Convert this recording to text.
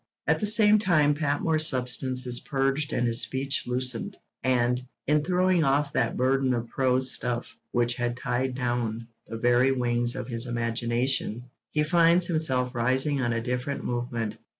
At the same time Patmore's substance is purged and his speech loosened, and, in throwing off that burden of prose stuff which had tied down the very wings of his imagination, he finds himself rising on a different movement.